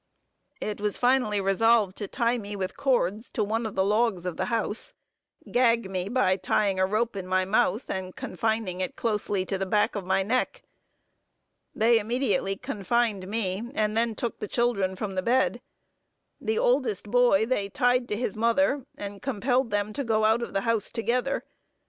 "It was finally resolved to tie me with cords, to one of the logs of the house, gag me by tying a rope in my mouth, and confining it closely to the back of my neck. They immediately confined me, and then took the children from the bed. The oldest boy they tied to his mother, and compelled them to go out of the house together.